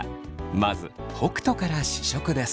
まず北斗から試食です。